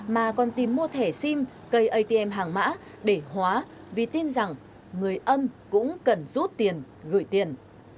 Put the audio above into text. mà còn tìm mua thẻ sim cây atm hàng mã để hóa vì tin rằng người âm cũng cần rút tiền gửi tiền